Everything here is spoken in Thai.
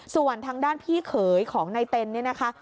ส่วนทางด้านพี่เขยของนายเต็นเนี่ยนะคะ